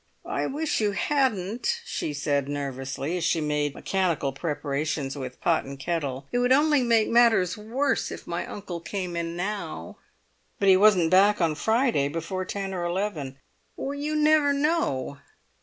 "I wish you hadn't," she said nervously, as she made mechanical preparations with pot and kettle. "It would only make matters worse if my uncle came in now." "But he wasn't back on Friday before ten or eleven." "You never know!"